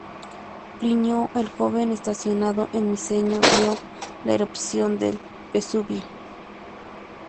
Plinio el Joven, estacionado en Miseno, vio la erupción del Vesubio.